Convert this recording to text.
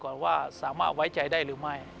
ว่าสามารถไว้ใจได้หรือไม่